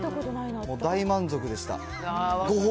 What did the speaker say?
大満足でした。